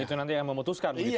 itu nanti yang memutuskan begitu ya